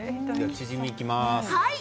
チヂミ、いきます。